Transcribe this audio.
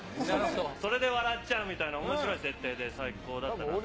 それで笑っちゃうみたいなおもしろい設定で最高だったなと。